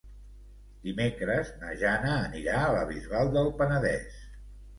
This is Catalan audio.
Dimecres na Jana anirà a la Bisbal del Penedès.